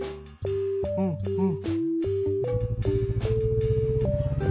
うんうん。